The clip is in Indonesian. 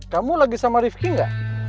kamu lagi sama rifki gak